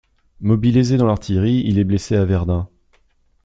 Mobilisé dans l'artillerie, il est blessé à Verdun.